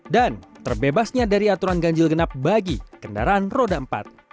dan terbebasnya dari aturan ganjil genap bagi kendaraan roda empat